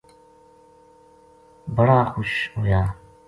بڑا خوش ہویا